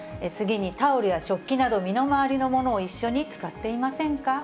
次に、タオルや食器など、身の回りのものを一緒に使っていませんか？